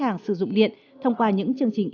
hàng sử dụng điện thông qua những chương trình